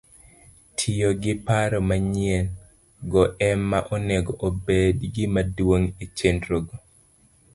Tiyo gi paro manyien - go ema onego obed gimaduong ' e chenrogo